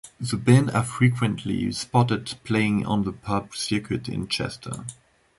The band are frequently spotted playing on the pub circuit in Chester.